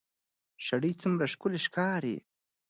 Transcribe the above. شرۍ څومره ښکلې ښکاري